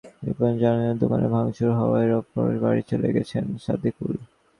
রিপন জানালেন, দোকানে ভাঙচুর হওয়ায় রংপুরে নিজের বাড়ি চলে গেছেন সাদেকুল।